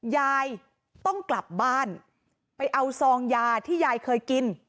ยายต้องกลับบ้านไปเอาซองยาที่ยายเคยกิน